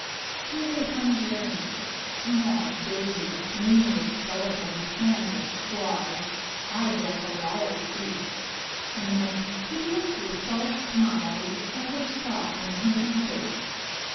"He is a Hungarian. Small, dirty, lean as a skeleton, with hands like claws, eyes like a wild beast's, and the most hideously false smile you ever saw in a human face.